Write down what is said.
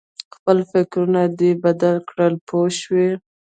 خپل فکرونه دې بدل کړه پوه شوې!.